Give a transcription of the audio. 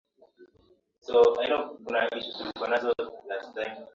Mito hiyo ni Mto Matandu wenye kilometa za mraba